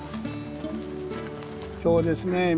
今日ですね